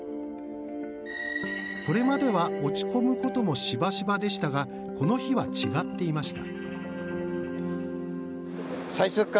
これまでは落ち込むこともしばしばでしたがこの日は違っていました。